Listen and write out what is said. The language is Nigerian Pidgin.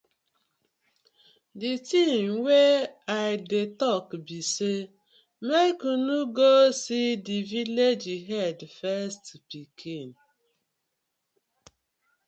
Di tin wey I dey tok bi say mek unu go see di villag head first pikin.